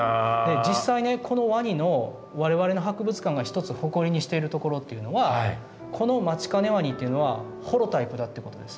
実際ねこのワニの我々の博物館が一つ誇りにしているところっていうのはこのマチカネワニというのはホロタイプだっていうことです。